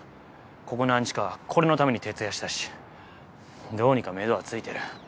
ここ何日かこれのために徹夜したしどうにかめどは付いてる。